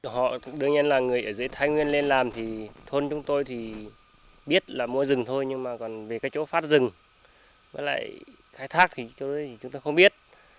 họ đương nhiên là người ở dưới thái nguyên lên làm thì thôn chúng tôi thì biết là mua rừng thôi nhưng mà còn về cái chỗ phát rừng với lại khai thác thì chúng tôi không biết